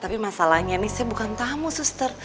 tapi masalahnya ini saya bukan tamu suster